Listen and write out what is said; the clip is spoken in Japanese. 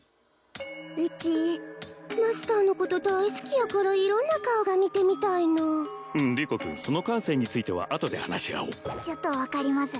うちマスターのこと大好きやから色んな顔が見てみたいのリコ君その感性についてはあとで話し合おうちょっと分かります